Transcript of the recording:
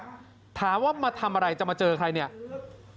สำนักสงห้วยน้ำหนักอำเภอสวนพึ่งจังหวัดราชบุรีถามว่ามาทำอะไรจะมาเจอใคร